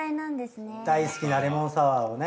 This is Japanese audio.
大好きなレモンサワーをね。